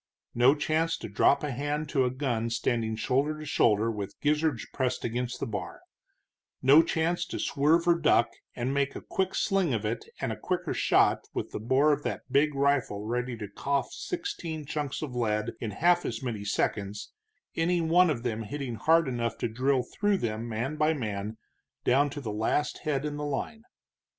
No chance to drop a hand to a gun standing shoulder to shoulder with gizzards pressed against the bar; no chance to swerve or duck and make a quick sling of it and a quicker shot, with the bore of that big rifle ready to cough sixteen chunks of lead in half as many seconds, any one of them hitting hard enough to drill through them, man by man, down to the last head in the line.